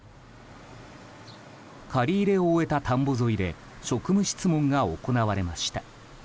刈り入れを終えた田んぼ沿いで職務質問が行われました。